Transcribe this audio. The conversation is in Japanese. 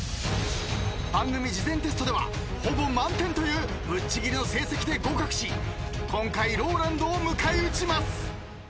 ［番組事前テストではほぼ満点というぶっちぎりの成績で合格し今回ＲＯＬＡＮＤを迎え撃ちます］